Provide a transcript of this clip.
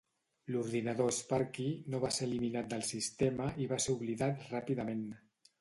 L'ordinador Sparky no va ser eliminat del sistema i es va oblidar ràpidament.